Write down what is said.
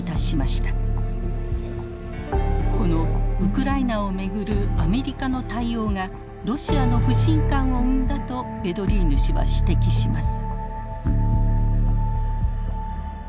このウクライナを巡るアメリカの対応がロシアの不信感を生んだとヴェドリーヌ氏は指摘します。